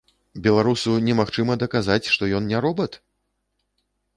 Беларусу немагчыма даказаць, што ён не робат?!